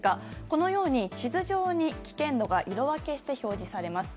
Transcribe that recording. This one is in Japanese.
このように、地図上に危険度が色分けして表示されます。